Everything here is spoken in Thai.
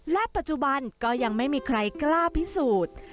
และปัจจุบันก็ยังไม่มีใครกล้าพิสูจน์